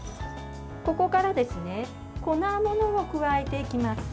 ここから粉物を加えていきます。